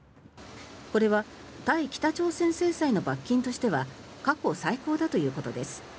これは対北朝鮮制裁の罰金としては過去最高だということです。